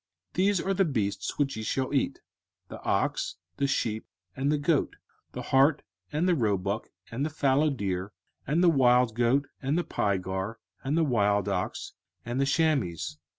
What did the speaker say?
05:014:004 These are the beasts which ye shall eat: the ox, the sheep, and the goat, 05:014:005 The hart, and the roebuck, and the fallow deer, and the wild goat, and the pygarg, and the wild ox, and the chamois.